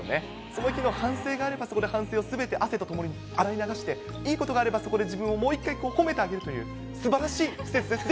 その日の反省があれば、そこで反省をすべて汗とともに洗い流して、いいことがあれば、そこで自分をもう一回褒めてあげるという、すばらしい施設です。